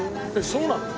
そうなの？